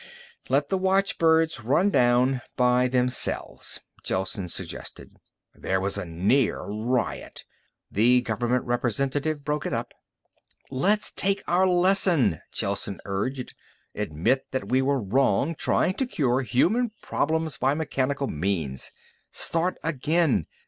"Let the watchbirds run down by themselves," Gelsen suggested. There was a near riot. The government representative broke it up. "Let's take our lesson," Gelsen urged, "admit that we were wrong trying to cure human problems by mechanical means. Start again.